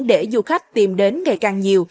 để du khách tìm đến ngày càng nhiều